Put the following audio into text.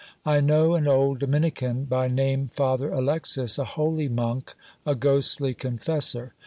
I know an old Dominican, by name Father Alexis, a holy monk, a ghostly confessor.